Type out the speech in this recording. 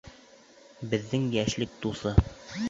Беҙҙең йәшлек дуҫы.